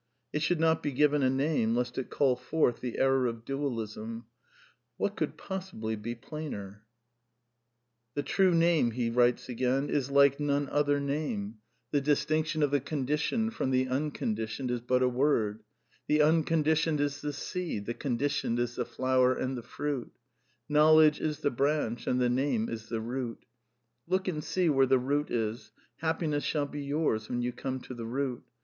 ^ y It should not he given a name, lest it call forth the error of \y dualism/* (xlvi.) (What could possibly be plainer ?) LXXX " The true Name is like none other name! THE NEW MYSTICISM 285 The distinction of the Conditioned from the Unconditioned is hut a word: The Unconditioned is the seed, the Conditioned is the flower and the fruit. Knowledge is the branch, and the Name is the root. Look and see where the root is : happiness shall be yours when you come to the root.